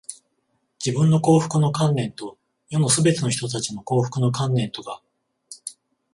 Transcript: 自分の幸福の観念と、世のすべての人たちの幸福の観念とが、